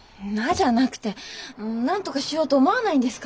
じゃなくてなんとかしようと思わないんですか？